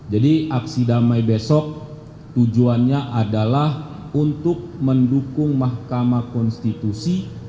jadi aksi damai besok tujuannya adalah untuk mendukung mahkamah konstitusi